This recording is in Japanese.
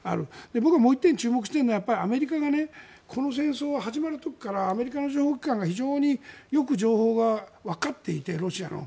僕はもう１点注目しているのはアメリカが、この戦争が始まる時からアメリカの情報機関が非常によく情報がわかっていてロシアの。